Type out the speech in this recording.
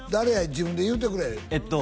自分で言うてくれえっと